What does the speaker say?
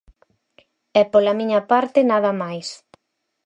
E, pola miña parte, nada máis.